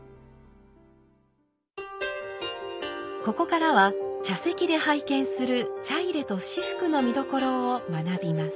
ここからは茶席で拝見する茶入と仕覆の見どころを学びます。